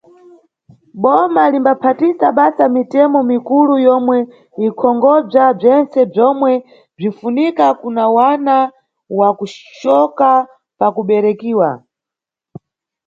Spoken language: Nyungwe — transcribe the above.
Boma limbaphatisa basa mitemo mikulu yomwe inʼkonkhobza bzentse bzomwe bzinʼfunika kuna mwana wa kucoka pakuberekiwa.